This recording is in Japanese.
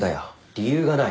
理由がない。